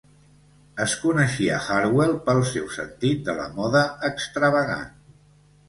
Es coneixia Hartwell pel seu sentit de la moda extravagant.